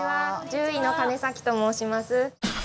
獣医の金と申します。